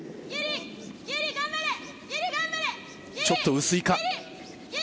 ちょっと薄いか。